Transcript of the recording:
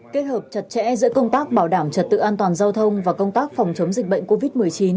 kết hợp chặt chẽ giữa công tác bảo đảm trật tự an toàn giao thông và công tác phòng chống dịch bệnh covid một mươi chín